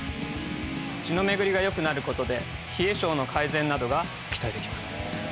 血の巡りが良くなることで。などが期待できます。